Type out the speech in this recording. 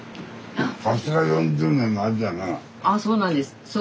あそうなんです。